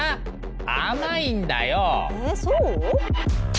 甘いんだよ！えそう？